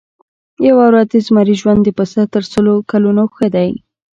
یوه ورځ د زمري ژوند د پسه تر سلو کلونو ښه دی.